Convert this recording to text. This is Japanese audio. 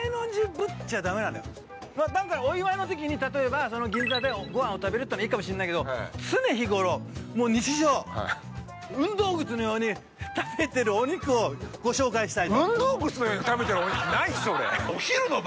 お祝いの時に例えば銀座でごはんを食べるっていうのはいいかもしれないけど常日ごろ、日常、運動靴のように食べてるお肉をご紹介したい。